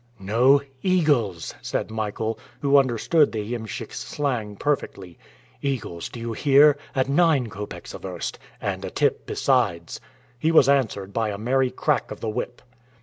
"No, eagles!" said Michael, who understood the iemschik's slang perfectly; "eagles, do you hear, at nine copecks a verst, and a tip besides." He was answered by a merry crack of the whip.